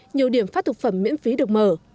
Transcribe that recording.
nhiều điểm phát thực phẩm miễn phí được mở